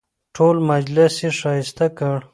ټول مجلس یې ښایسته کړ.